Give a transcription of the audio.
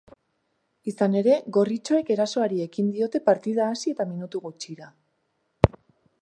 Izan ere, gorritxoek erasoari ekin diote partida hasi eta minutu gutxira.